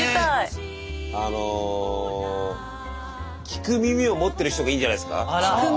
あの聞く耳を持ってる人がいいんじゃないんすか？